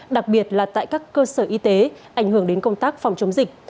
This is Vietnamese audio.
đặc biệt là tại các cơ sở y tế ảnh hưởng đến công tác phòng chống dịch